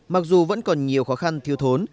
mặc dù vẫn còn nhiều khó khăn thiếu thốn